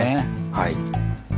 はい。